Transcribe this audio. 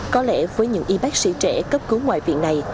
có lẽ với những y bác sĩ trẻ cấp cứu ngoại viện này